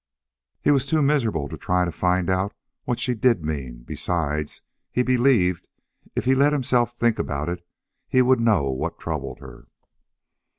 He was too miserable to try to find out what she did mean; besides, he believed, if he let himself think about it, he would know what troubled her.